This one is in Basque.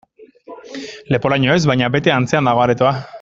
Leporaino ez, baina bete antzean dago aretoa.